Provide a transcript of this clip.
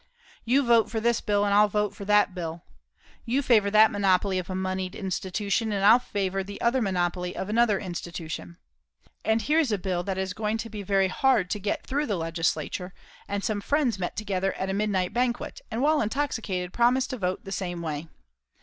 "You vote for this bill, and I'll vote for that bill." "You favour that monopoly of a moneyed institution, and I'll favour the other monopoly of another institution." And here is a bill that is going to be very hard to get through the Legislature, and some friends met together at a midnight banquet, and while intoxicated promised to vote the same way.